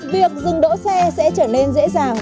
việc dừng đỗ xe sẽ trở nên dễ dàng